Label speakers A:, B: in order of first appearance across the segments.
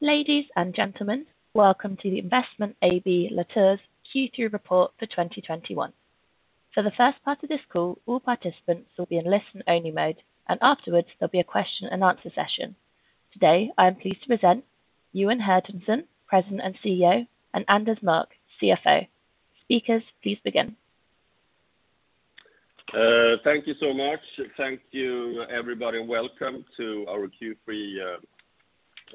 A: Ladies and gentlemen, welcome to the Investment AB Latour's Q3 report for 2021. For the first part of this call, all participants will be in listen-only mode, and afterwards, there'll be a question and answer session. Today, I am pleased to present Johan Hjertonsson, President and CEO, and Anders Mörck, CFO. Speakers, please begin.
B: Thank you so much. Thank you, everybody. Welcome to our Q3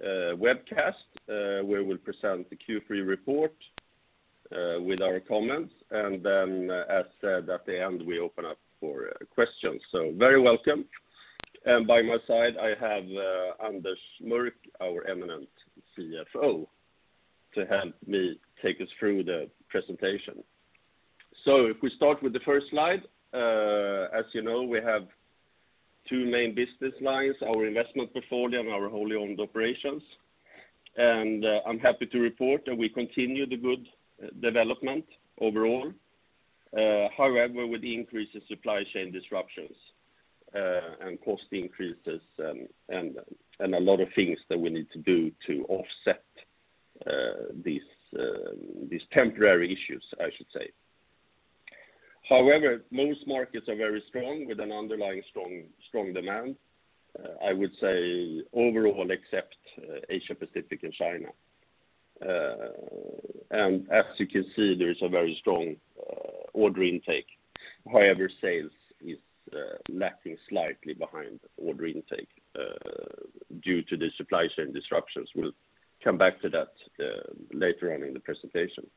B: webcast, where we'll present the Q3 report with our comments. Then, as said, at the end, we open up for questions. Very welcome. By my side, I have Anders Mörck, our eminent CFO, to help me take us through the presentation. If we start with the first slide, as you know, we have two main business lines, our investment portfolio and our wholly owned operations. I'm happy to report that we continue the good development overall, however, with the increase in supply chain disruptions and cost increases, and a lot of things that we need to do to offset these temporary issues, I should say. However, most markets are very strong with an underlying strong demand, I would say overall except Asia-Pacific and China. As you can see, there is a very strong order intake. However, sales is lacking slightly behind order intake due to the supply chain disruptions. We'll come back to that later on in the presentation.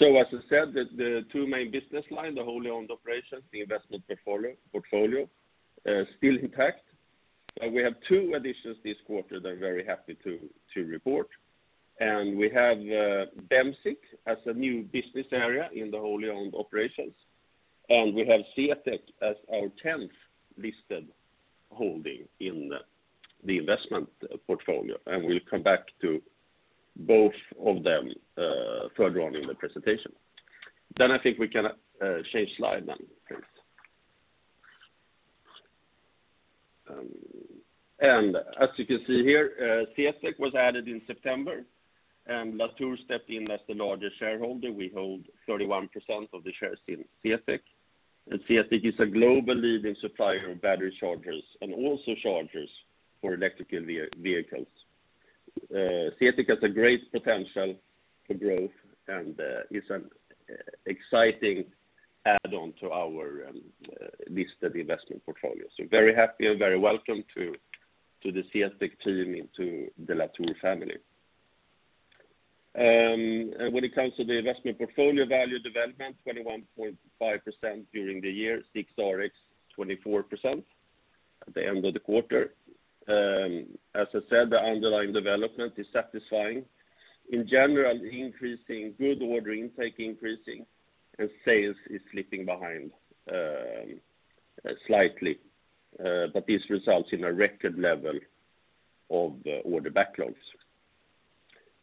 B: As I said, the two main business lines, the wholly owned operations, the investment portfolio still intact. We have two additions this quarter that I'm very happy to report. We have Densiq as a new business area in the wholly owned operations, and we have CTEK as our tenth listed holding in the investment portfolio. We'll come back to both of them further on in the presentation. I think we can change slide then, please. As you can see here, CTEK was added in September, and Latour stepped in as the largest shareholder. We hold 31% of the shares in CTEK. CTEK is a global leading supplier of battery chargers and also chargers for electrical vehicles. CTEK has a great potential for growth and is an exciting add-on to our listed investment portfolio. Very happy and very welcome to the CTEK team into the Latour family. When it comes to the investment portfolio value development, 21.5% during the year, SIXRX 24% at the end of the quarter. As I said, the underlying development is satisfying. In general, good order intake increasing and sales is slipping behind slightly. But this results in a record level of order backlogs.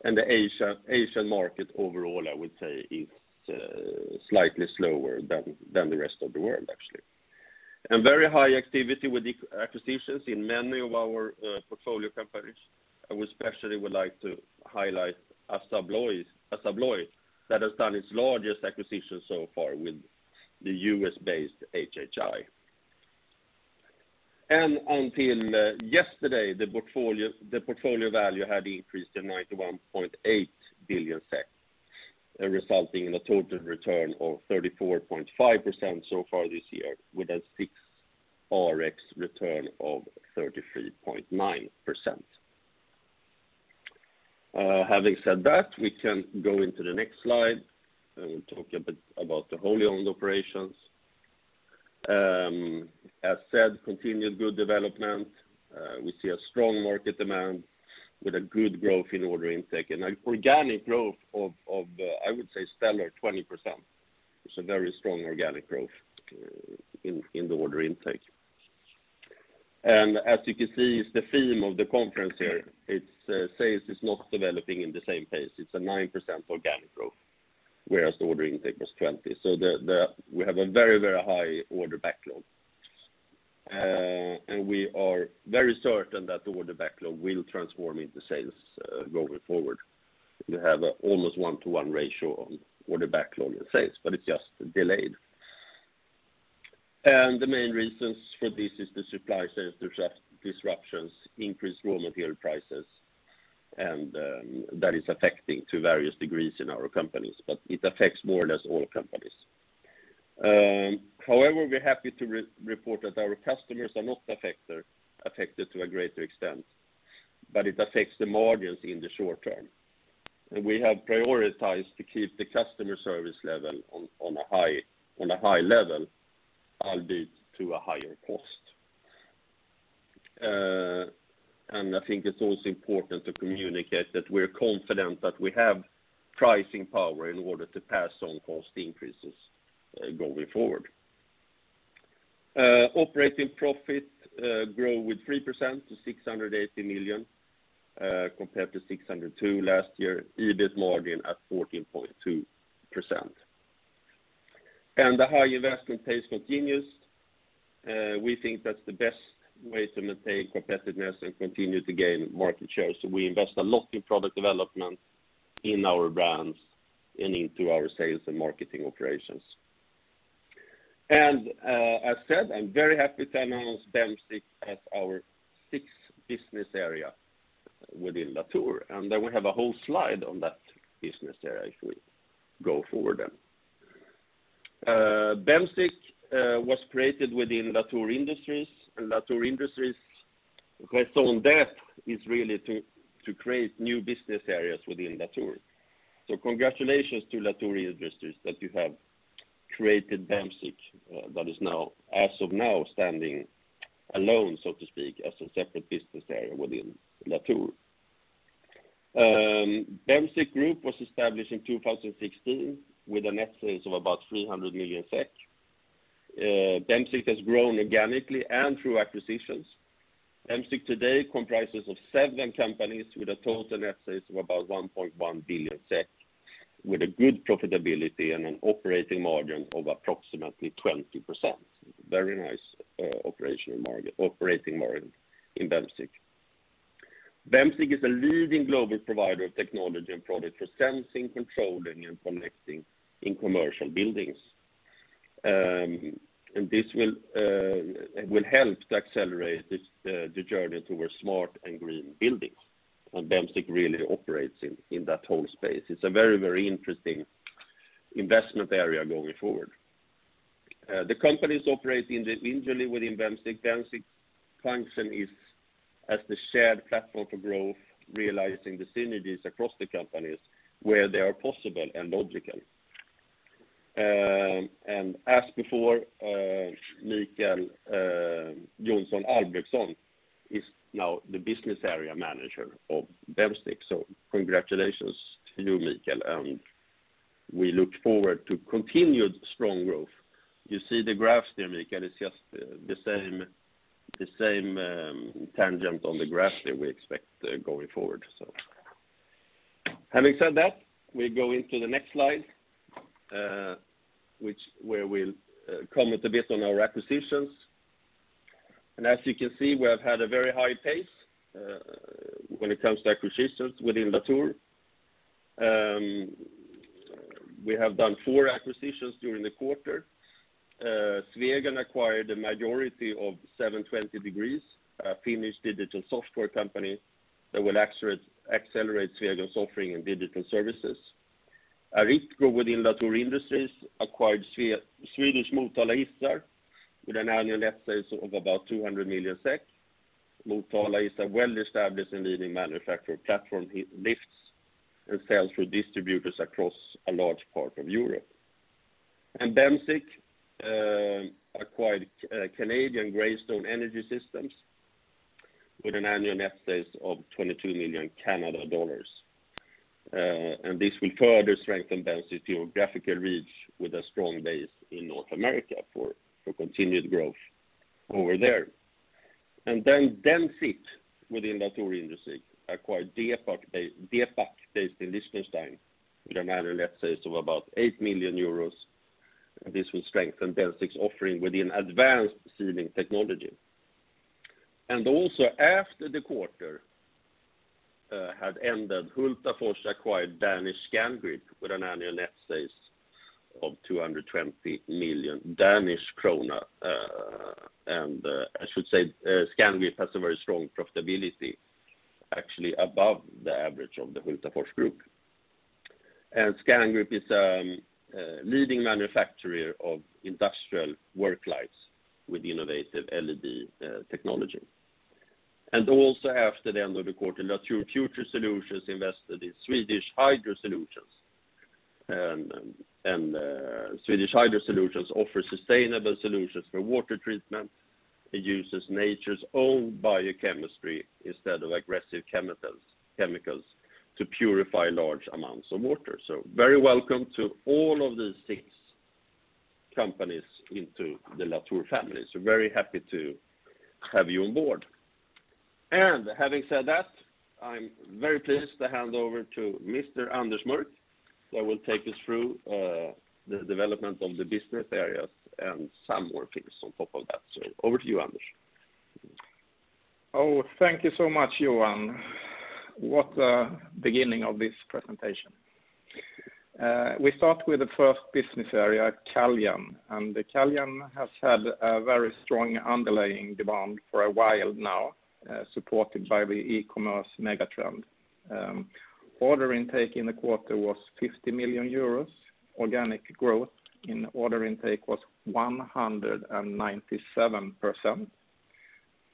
B: The Asia, Asian market overall, I would say, is slightly slower than the rest of the world, actually. Very high activity with acquisitions in many of our portfolio companies. I would especially like to highlight ASSA ABLOY. ASSA ABLOY that has done its largest acquisition so far with the U.S.-based HHI. Until yesterday, the portfolio value had increased to 91.8 billion, resulting in a total return of 34.5% so far this year with a SIXRX return of 33.9%. Having said that, we can go into the next slide, and we'll talk a bit about the wholly owned operations. As said, continued good development. We see a strong market demand with a good growth in order intake and an organic growth of I would say stellar 20%. It's a very strong organic growth in the order intake. As you can see, it's the theme of the conference here. Sales is not developing in the same pace. It's a 9% organic growth, whereas the order intake was 20%. We have a very high order backlog. We are very certain that the order backlog will transform into sales going forward. We have almost one-to-one ratio on order backlog and sales, but it's just delayed. The main reasons for this is the supply chain disruptions, increased raw material prices, and that is affecting to various degrees in our companies, but it affects more or less all companies. However, we're happy to report that our customers are not affected to a greater extent, but it affects the margins in the short term. We have prioritized to keep the customer service level on a high level, albeit to a higher cost. I think it's also important to communicate that we're confident that we have pricing power in order to pass on cost increases going forward. Operating profit grew 3% to 680 million compared to 602 million last year. EBIT margin at 14.2%. The high investment pace continues. We think that's the best way to maintain competitiveness and continue to gain market share. We invest a lot in product development in our brands and into our sales and marketing operations. I'm very happy to announce Bemsiq as our sixth business area within Latour, and then we have a whole slide on that business area if we go forward then. Bemsiq was created within Latour Industries, and Latour Industries' whose sole purpose is really to create new business areas within Latour. Congratulations to Latour Industries that you have created Bemsiq, that is now, as of now, standing alone, so to speak, as a separate business area within Latour. Bemsiq Group was established in 2016 with net sales of about 300 million SEK. Bemsiq has grown organically and through acquisitions. Bemsiq today comprises of seven companies with a total net sales of about 1.1 billion SEK, with a good profitability and an operating margin of approximately 20%. Very nice, operating margin in Bemsiq. Bemsiq is a leading global provider of technology and product for sensing, controlling, and connecting in commercial buildings. This will help to accelerate this, the journey towards smart and green buildings. Bemsiq really operates in that whole space. It's a very interesting investment area going forward. The companies operate individually within Bemsiq. Bemsiq functions as the shared platform for growth, realizing the synergies across the companies where they are possible and logical. As before, Mikael Johnsson Albrektsson is now the business area manager of Bemsiq. Congratulations to you, Mikael, and we look forward to continued strong growth. You see the graphs there, Mikael, it's just the same tangent on the graph that we expect going forward. Having said that, we go into the next slide, where we'll comment a bit on our acquisitions. As you can see, we have had a very high pace when it comes to acquisitions within Latour. We have done four acquisitions during the quarter. Swegon acquired a majority of 720°, a Finnish digital software company that will accelerate Swegon's offering in digital services. Aritco within Latour Industries acquired Swedish Motala Hissar with annual net sales of about 200 million. Motala Hissar is a well-established and leading manufacturer of platform lifts and sells through distributors across a large part of Europe. Bemsiq acquired Canadian Greystone Energy Systems with annual net sales of 22 million dollars. This will further strengthen Bemsiq's geographical reach with a strong base in North America for continued growth over there. Then Densiq within Latour Industries acquired DEPAC based in Liechtenstein with an annual net sales of about 8 million euros. This will strengthen Bemsiq's offering within advanced sealing technology. Also, after the quarter had ended, Hultafors acquired Danish Scangrip with an annual net sales of DKK 220 million. I should say, Scangrip has a very strong profitability, actually above the average of the Hultafors Group. Scangrip is a leading manufacturer of industrial work lights with innovative LED technology. Also after the end of the quarter, Latour Future Solutions invested in Swedish Hydro Solutions. Swedish Hydro Solutions offer sustainable solutions for water treatment. It uses nature's own biochemistry instead of aggressive chemicals to purify large amounts of water. Very welcome to all of these six companies into the Latour family. Very happy to have you on board. Having said that, I'm very pleased to hand over to Mr. Anders Mörck, who will take us through the development of the business areas and some more things on top of that. Over to you, Anders.
C: Oh, thank you so much, Johan. What a beginning of this presentation. We start with the first business area, Caljan. Caljan has had a very strong underlying demand for a while now, supported by the e-commerce mega trend. Order intake in the quarter was EUR 50 million. Organic growth in order intake was 197%.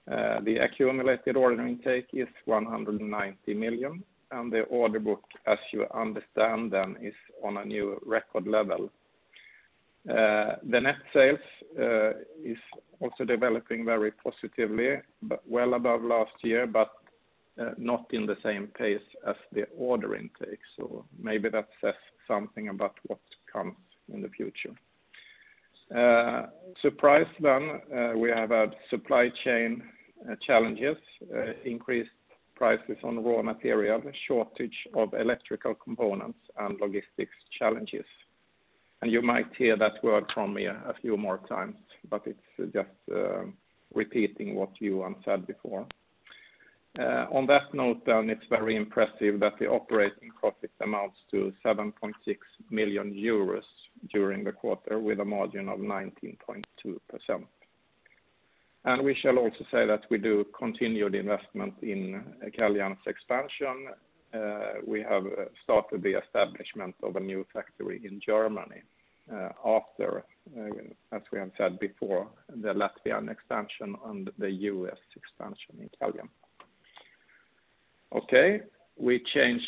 C: The accumulated order intake is 190 million, and the order book, as you understand then, is on a new record level. The net sales is also developing very positively, but well above last year, but not in the same pace as the order intake. Maybe that says something about what comes in the future. No surprise then, we have had supply chain challenges, increased prices on raw material, shortage of electrical components and logistics challenges. You might hear that word from me a few more times, but it's just, repeating what Johan said before. On that note then, it's very impressive that the operating profit amounts to 7.6 million euros during the quarter with a margin of 19.2%. We shall also say that we do continued investment in Caljan's expansion. We have started the establishment of a new factory in Germany, after, as we have said before, the Latvian expansion and the U.S. expansion in Caljan. Okay. We change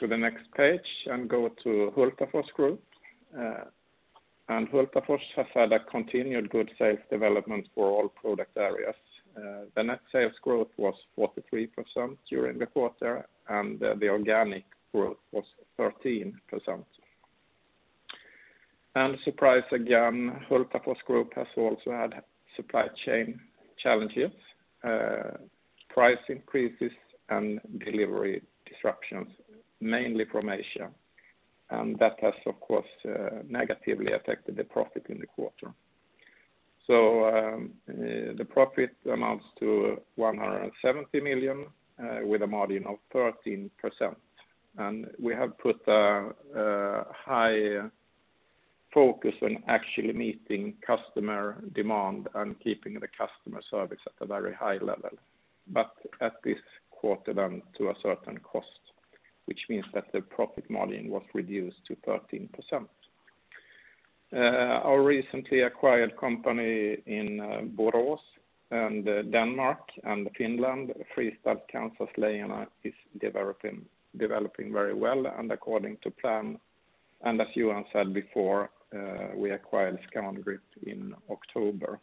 C: to the next page and go to Hultafors Group. Hultafors has had a continued good sales development for all product areas. The net sales growth was 43% during the quarter, and the organic growth was 13%. Surprise again, Hultafors Group has also had supply chain challenges, price increases and delivery disruptions, mainly from Asia. That has, of course, negatively affected the profit in the quarter. The profit amounts to 170 million, with a margin of 13%. We have put a high focus on actually meeting customer demand and keeping the customer service at a very high level. At this quarter then to a certain cost, which means that the profit margin was reduced to 13%. Our recently acquired company in Borås and Denmark and Finland, Fristads, Kansas, Leijona is developing very well and according to plan. As Johan said before, we acquired SCANGRIP in October.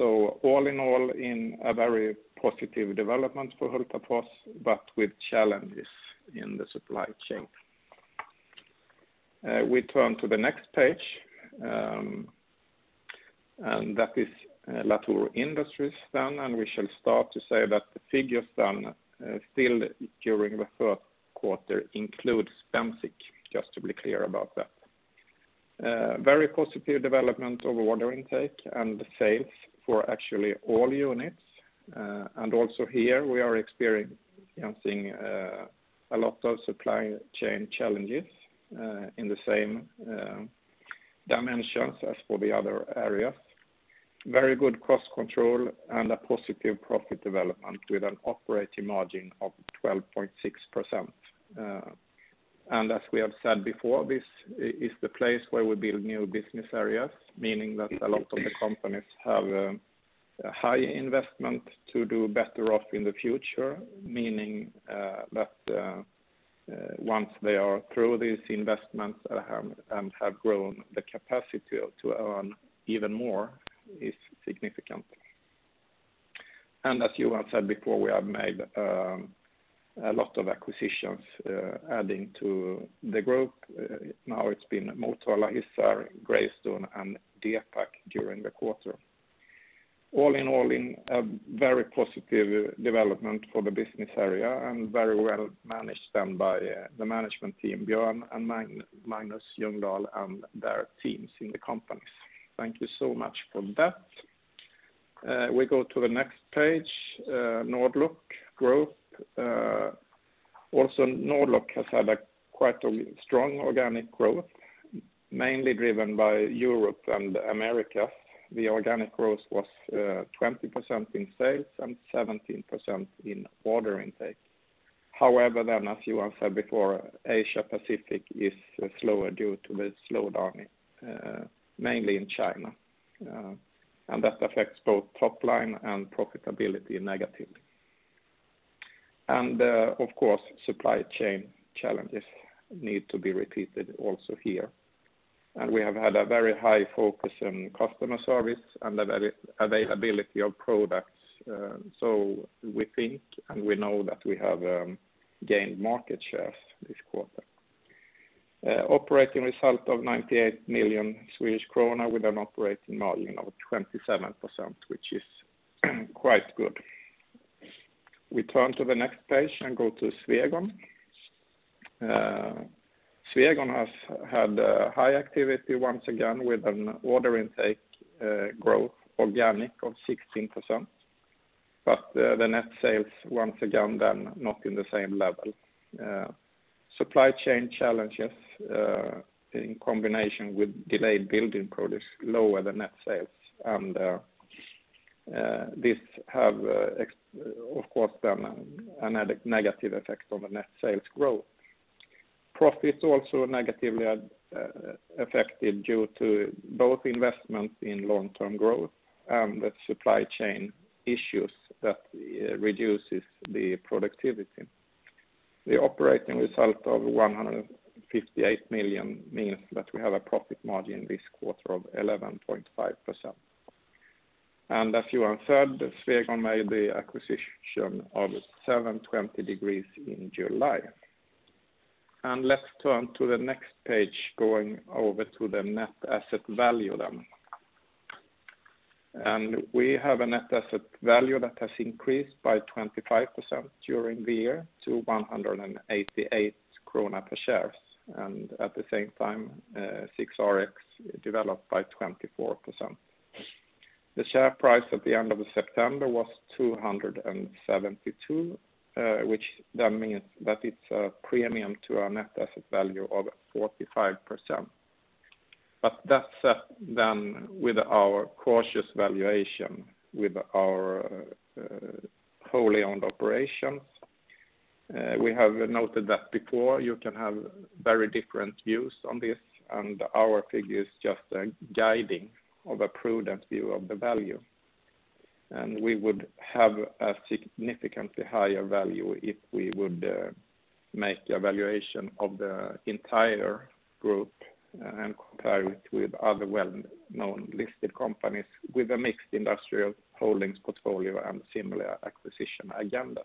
C: All in all, in a very positive development for Hultafors, but with challenges in the supply chain. We turn to the next page, and that is Latour Industries then, and we shall start to say that the figures then still during the third quarter include Bemsiq, just to be clear about that. Very positive development over order intake and sales for actually all units. Also here we are experiencing a lot of supply chain challenges in the same dimensions as for the other areas. Very good cost control and a positive profit development with an operating margin of 12.6%. As we have said before, this is the place where we build new business areas, meaning that a lot of the companies have a high investment to do better off in the future, meaning that once they are through these investments and have grown the capacity to earn even more is significant. As Johan said before, we have made a lot of acquisitions adding to the group. Now it's been Motala Hissar, Greystone Energy Systems, and DEPAC during the quarter. All in all, in a very positive development for the business area and very well managed then by the management team, Björn and Magnus Ljungdahl and their teams in the companies. Thank you so much for that. We go to the next page, Nord-Lock Group. Also Nord-Lock has had quite a strong organic growth, mainly driven by Europe and America. The organic growth was 20% in sales and 17% in order intake. However, then as Johan said before, Asia-Pacific is slower due to the slowdown, mainly in China. That affects both top line and profitability negatively. Of course, supply chain challenges need to be repeated also here. We have had a very high focus on customer service and availability of products. We think, and we know that we have gained market shares this quarter. Operating result of 98 million Swedish krona with an operating margin of 27%, which is quite good. We turn to the next page and go to Swegon. Swegon has had a high activity once again with an order intake growth organic of 16%. The net sales once again then not in the same level. Supply chain challenges in combination with delayed building products lower the net sales. This has of course then a negative effect on the net sales growth. Profit also negatively affected due to both investments in long-term growth and the supply chain issues that reduces the productivity. The operating result of 158 million means that we have a profit margin this quarter of 11.5%. As you answered, Swegon made the acquisition of 720° in July. Let's turn to the next page, going over to the net asset value then. We have a net asset value that has increased by 25% during the year to 188 krona per share. At the same time, SIXRX developed by 24%. The share price at the end of September was 272, which means that it's a premium to our net asset value of 45%. That's then with our cautious valuation with our wholly owned operations. We have noted that before. You can have very different views on this, and our figure is just a guiding of a prudent view of the value. We would have a significantly higher value if we would make a valuation of the entire group and compare it with other well-known listed companies with a mixed industrial holdings portfolio and similar acquisition agenda.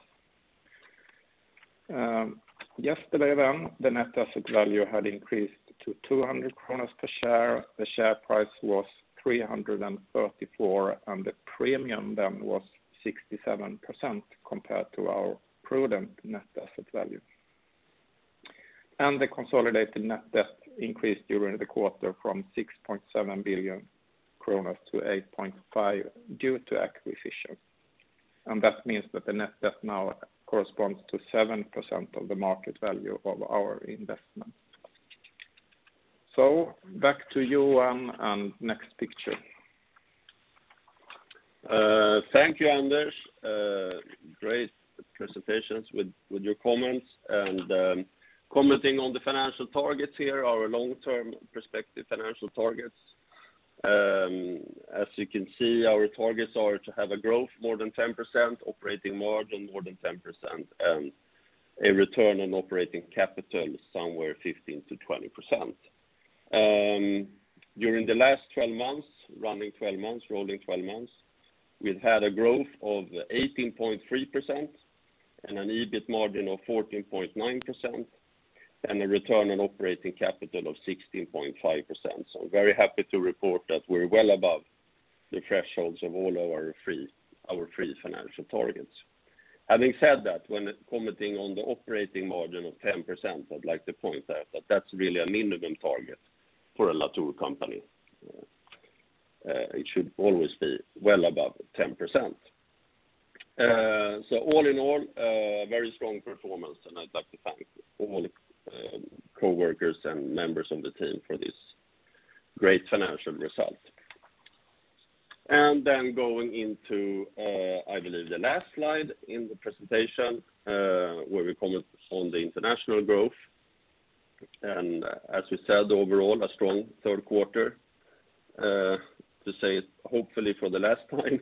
C: Yesterday, the net asset value had increased to 200 per share. The share price was 334, and the premium then was 67% compared to our prudent net asset value. The consolidated net debt increased during the quarter from 6.7 billion to 8.5 billion due to acquisition. That means that the net debt now corresponds to 7% of the market value of our investment. Back to you, and next picture.
B: Thank you, Anders. Great presentations with your comments. Commenting on the financial targets here, our long-term perspective financial targets. As you can see, our targets are to have a growth more than 10%, operating margin more than 10%, and a return on operating capital somewhere 15%-20%. During the rolling twelve months, we've had a growth of 18.3% and an EBIT margin of 14.9% and a return on operating capital of 16.5%. Very happy to report that we're well above the thresholds of all our three financial targets. Having said that, when commenting on the operating margin of 10%, I'd like to point out that that's really a minimum target for a Latour company. It should always be well above 10%. All in all, very strong performance, and I'd like to thank all coworkers and members of the team for this great financial result. Going into, I believe the last slide in the presentation, where we comment on the international growth. As we said, overall a strong third quarter, to say it hopefully for the last time,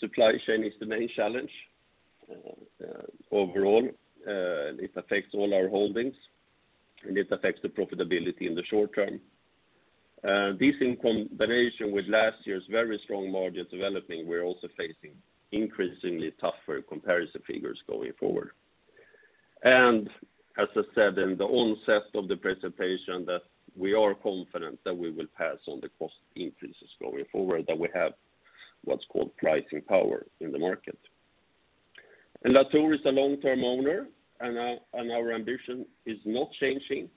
B: supply chain is the main challenge. Overall, it affects all our holdings, and it affects the profitability in the short term. This in combination with last year's very strong margin developing, we're also facing increasingly tougher comparison figures going forward. As I said in the onset of the presentation that we are confident that we will pass on the cost increases going forward, that we have what's called pricing power in the market. Latour is a long-term owner, and our ambition is not changing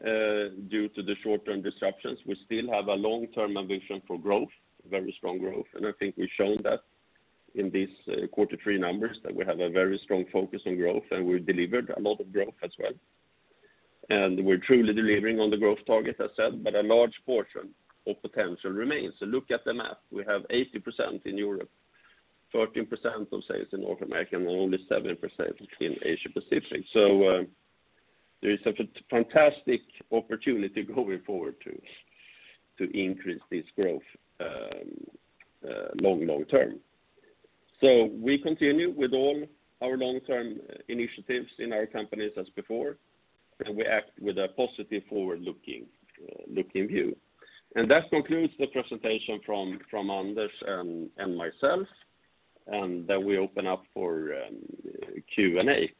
B: due to the short-term disruptions. We still have a long-term ambition for growth, very strong growth, and I think we've shown that in these quarter three numbers that we have a very strong focus on growth, and we've delivered a lot of growth as well. We're truly delivering on the growth target, as I said, but a large portion of potential remains. Look at the map. We have 80% in Europe, 13% of sales in North America, and only 7% in Asia Pacific. There is such a fantastic opportunity going forward to increase this growth long-term. We continue with all our long-term initiatives in our companies as before, and we act with a positive forward-looking view. That concludes the presentation from Anders and myself, and then we open up for Q&A. Thank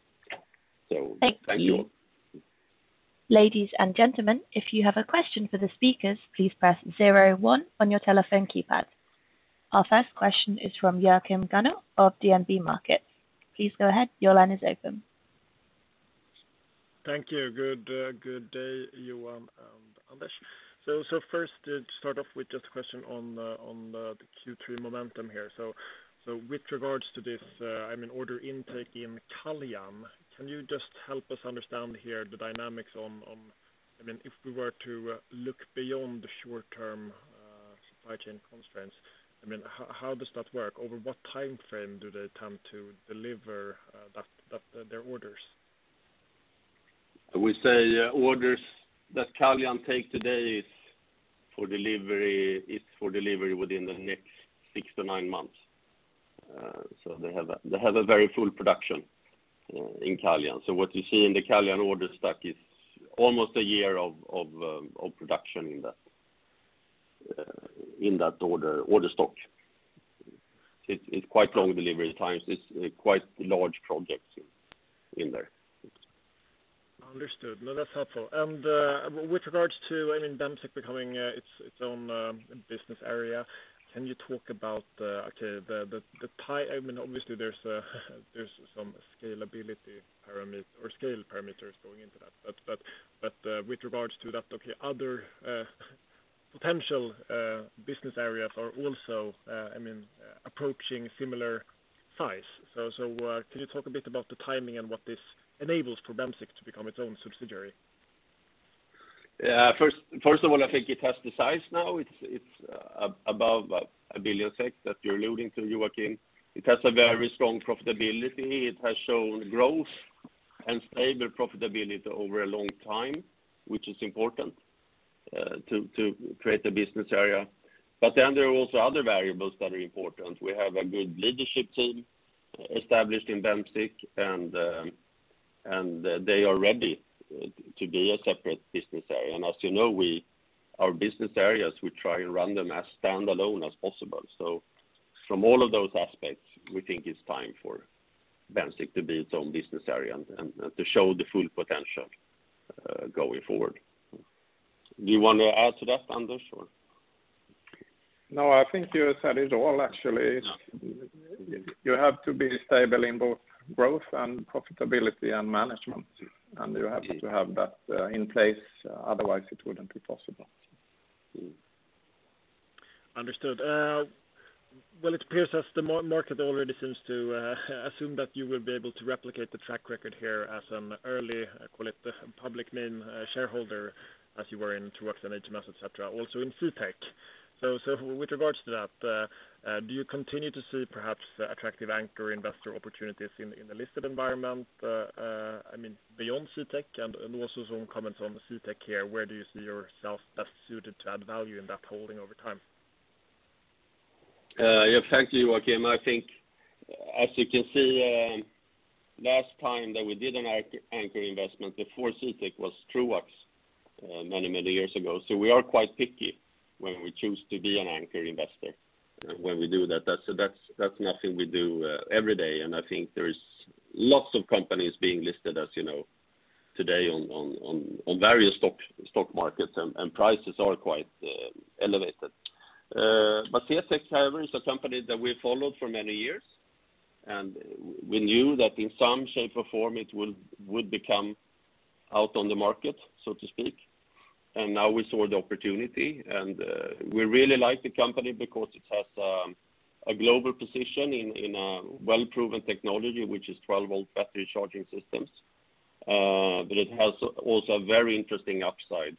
B: you all.
A: Thank you. Ladies and gentlemen, if you have a question for the speakers, please press zero one on your telephone keypad. Our first question is from Joachim Gunell of DNB Markets. Please go ahead. Your line is open.
D: Thank you. Good day, Johan and Anders. First to start off with just a question on the Q3 momentum here. With regards to this, I mean, order intake in Caljan, can you just help us understand here the dynamics on. I mean, if we were to look beyond the short term, supply chain constraints, I mean, how does that work? Over what timeframe do they attempt to deliver, that their orders?
B: We say orders that Caljan take today is for delivery within the next 6-9 months. They have a very full production in Caljan. What you see in the Caljan order stack is almost a year of production in that order stock. It's quite long delivery times. It's quite large projects in there.
D: Understood. No, that's helpful. With regards to, I mean, Bemsiq becoming its own business area, can you talk about, okay, I mean, obviously there's some scalability or scale parameters going into that. With regards to that, okay, other potential business areas are also, I mean, approaching similar size. Can you talk a bit about the timing and what this enables for Bemsiq to become its own subsidiary?
B: Yeah. First of all, I think it has the size now. It's above 1 billion that you're alluding to, Joachim. It has a very strong profitability. It has shown growth and stable profitability over a long time, which is important to create a business area. Then there are also other variables that are important. We have a good leadership team established in Bemsiq, and they are ready to be a separate business area. As you know, our business areas, we try and run them as standalone as possible. From all of those aspects, we think it's time for Bemsiq to be its own business area and to show the full potential going forward. Do you want to add to that, Anders, or?
C: No, I think you said it all, actually.
B: Okay.
C: You have to be stable in both growth and profitability and management, and you have to have that in place, otherwise it wouldn't be possible.
D: Understood. It appears as the market already seems to assume that you will be able to replicate the track record here as an early, call it, public minority shareholder, as you were in Troax and HMS, et cetera, also in CTEK. With regards to that, do you continue to see perhaps attractive anchor investor opportunities in the listed environment, I mean, beyond CTEK? Also some comments on the CTEK here. Where do you see yourself best suited to add value in that holding over time?
B: Thank you, Joachim. I think, as you can see, last time that we did an anchor investment before CTEK was Troax many years ago. We are quite picky when we choose to be an anchor investor when we do that. That's nothing we do every day, and I think there's lots of companies being listed, as you know, today on various stock markets, and prices are quite elevated. CTEK, however, is a company that we followed for many years, and we knew that in some shape or form it would become out on the market, so to speak. Now we saw the opportunity, and we really like the company because it has a global position in a well-proven technology, which is 12-volt battery charging systems. But it has also a very interesting upside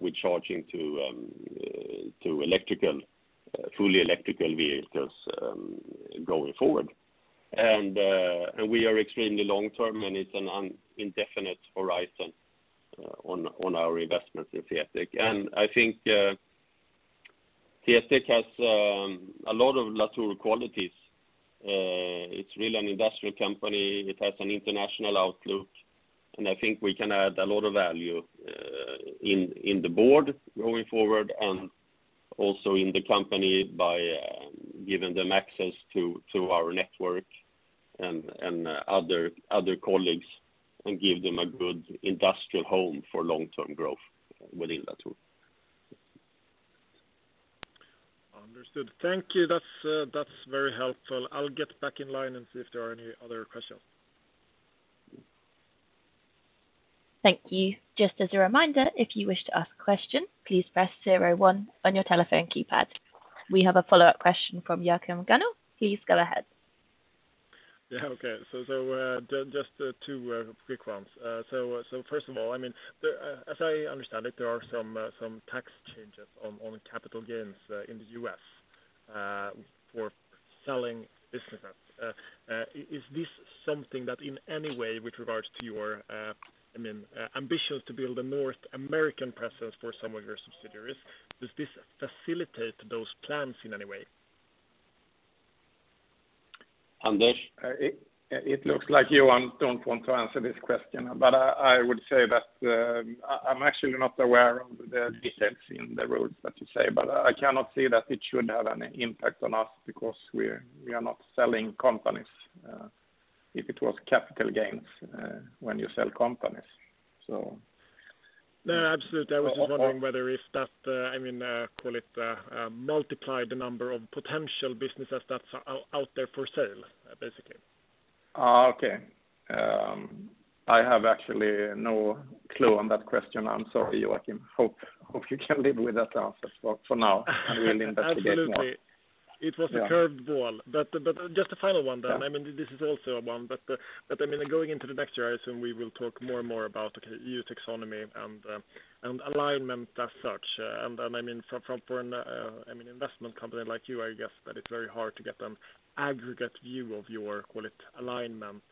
B: with charging for electric fully electric vehicles going forward. We are extremely long-term, and it's an indefinite horizon on our investments in CTEK. I think CTEK has a lot of Latour qualities. It's really an industrial company. It has an international outlook, and I think we can add a lot of value in the board going forward, and also in the company by giving them access to our network and other colleagues, and give them a good industrial home for long-term growth within Latour.
D: Understood. Thank you. That's very helpful. I'll get back in line and see if there are any other questions.
B: Mm-hmm.
A: Thank you. Just as a reminder, if you wish to ask a question, please press zero one on your telephone keypad. We have a follow-up question from Joachim Gunell. Please go ahead.
D: Yeah. Okay. Just two quick ones. First of all, I mean, as I understand it, there are some tax changes on capital gains in the U.S. for selling businesses. Is this something that in any way with regards to your, I mean, ambitions to build a North American presence for some of your subsidiaries, does this facilitate those plans in any way?
B: Anders?
C: It looks like Johan don't want to answer this question. I would say that I'm actually not aware of the details in the rules that you say, but I cannot see that it should have any impact on us because we are not selling companies if it was capital gains when you sell companies.
D: No, absolutely.
C: O- o-
D: I was just wondering whether if that, I mean, call it, multiplied the number of potential businesses that's out there for sale, basically.
C: Oh, okay. I have actually no clue on that question. I'm sorry, Joachim. Hope you can live with that answer for now.
D: Absolutely.
C: I will investigate more.
D: It was a curveball.
C: Yeah.
D: Just a final one then.
C: Yeah.
D: I mean, this is also one, but I mean, going into the next year, I assume we will talk more and more about, okay, EU taxonomy and alignment as such. I mean, for an investment company like you, I guess that it's very hard to get an aggregate view of your, call it, alignment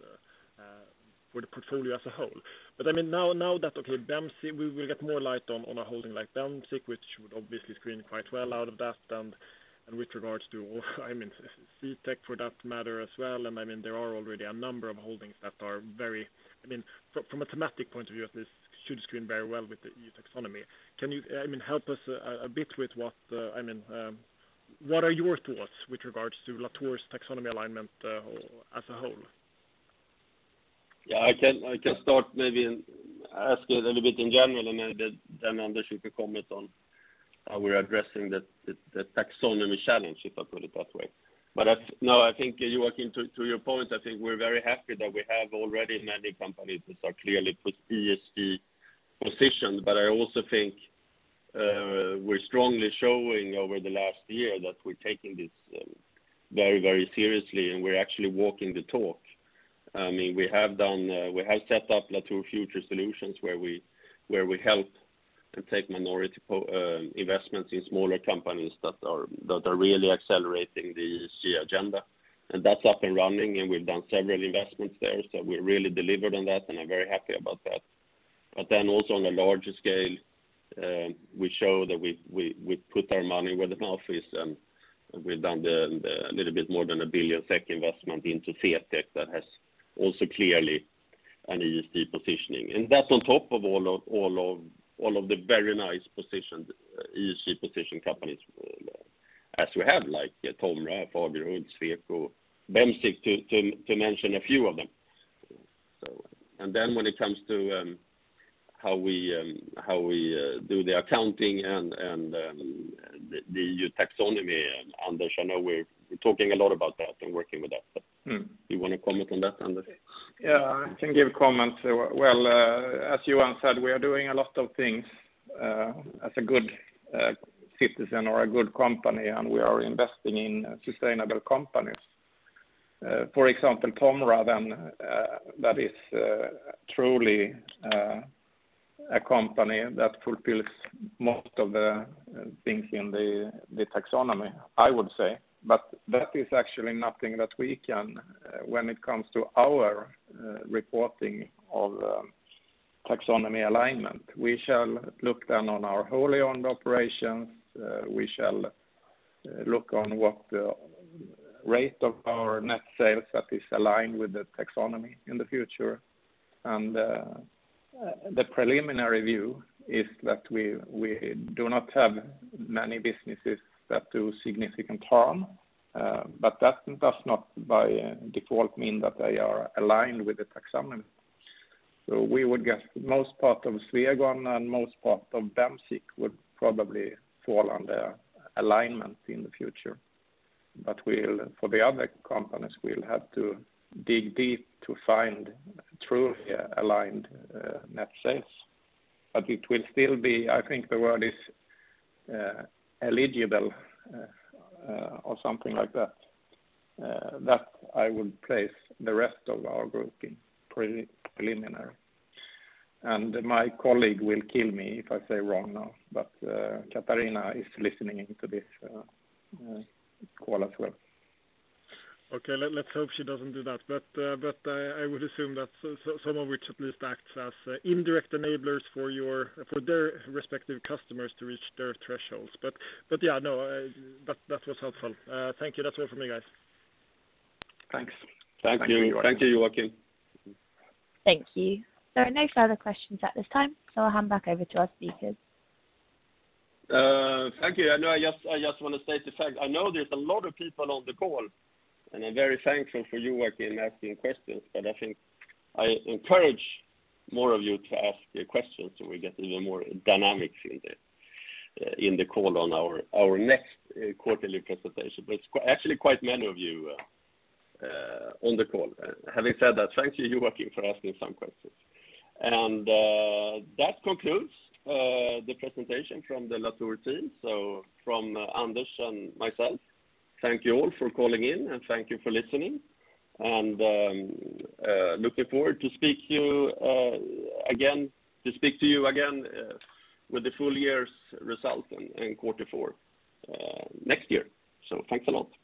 D: for the portfolio as a whole. I mean, now that, okay, Bemsiq, we will get more light on a holding like Bemsiq, which would obviously screen quite well out of that, and with regards to, oh, I mean, CTEK for that matter as well, and I mean, there are already a number of holdings that are very I mean from a thematic point of view, this should screen very well with the EU taxonomy. What are your thoughts with regards to Latour's taxonomy alignment as a whole?
B: I can start maybe and ask a little bit in general, and maybe then, Anders, you can comment on how we're addressing the taxonomy challenge, if I put it that way. I think, Joachim, to your point, I think we're very happy that we have already many companies that are clearly ESG positioned. I also think we're strongly showing over the last year that we're taking this very, very seriously, and we're actually walking the talk. I mean, we have set up Latour Future Solutions where we help and take minority investments in smaller companies that are really accelerating the ESG agenda. That's up and running, and we've done several investments there, so we really delivered on that, and I'm very happy about that. Also on a larger scale, we show that we put our money where the mouth is, and we've done a little bit more than 1 billion investment into CTEK that has also clearly an ESG positioning. That's on top of all of the very nice positioned, ESG positioned companies we have, like TOMRA, Fagerhult, Sweco, Bemsiq, to mention a few of them. When it comes to how we do the accounting and the taxonomy, Anders, I know we're talking a lot about that and working with that.
C: Mm.
B: You wanna comment on that, Anders?
C: Yeah, I can give comment. Well, as Johan said, we are doing a lot of things as a good citizen or a good company, and we are investing in sustainable companies. For example, TOMRA then that is truly a company that fulfills most of the things in the taxonomy, I would say. That is actually nothing that we can when it comes to our reporting of taxonomy alignment. We shall look then on our wholly owned operations. We shall look on what the rate of our net sales that is aligned with the taxonomy in the future. The preliminary view is that we do not have many businesses that do significant harm, but that does not by default mean that they are aligned with the taxonomy. We would get most part of Swegon and most part of Bemsiq would probably fall under alignment in the future. For the other companies, we'll have to dig deep to find truly aligned net sales. It will still be, I think the word is, eligible or something like that I would place the rest of our group in preliminary. My colleague will kill me if I say wrong now, but Katarina is listening into this call as well.
D: Okay. Let's hope she doesn't do that. I would assume that some of which at least acts as indirect enablers for your, for their respective customers to reach their thresholds. Yeah, no, that was helpful. Thank you. That's all from me, guys.
C: Thanks.
B: Thank you.
C: Thank you, Joachim.
B: Thank you, Joachim.
A: Thank you. There are no further questions at this time, so I'll hand back over to our speakers.
B: Thank you. I know I just wanna state the fact, I know there's a lot of people on the call, and I'm very thankful for Joachim asking questions, but I think I encourage more of you to ask your questions so we get even more dynamics in the call on our next quarterly presentation. Actually quite many of you on the call. Having said that, thank you, Joachim, for asking some questions. That concludes the presentation from the Latour team. From Anders and myself, thank you all for calling in, and thank you for listening. Looking forward to speak to you again with the full year's result in quarter four next year. Thanks a lot.